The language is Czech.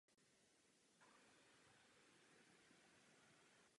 Je také členem Asociace muzeí a galerií v České republice.